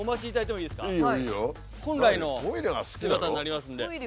本来の姿になりますんで。